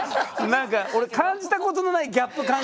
何か俺感じたことのないギャップ感じてるから。